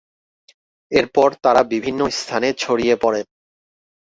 এরপর তারা বিভিন্ন স্থানে ছড়িয়ে পড়েন।